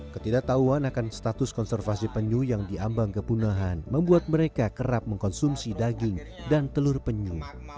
ketidaktahuan akan status konservasi penyu yang diambang kepunahan membuat mereka kerap mengkonsumsi daging dan telur penyu